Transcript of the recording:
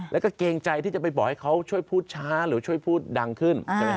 แล้วก็เกรงใจที่จะไปบอกให้เขาช่วยพูดช้าหรือช่วยพูดดังขึ้น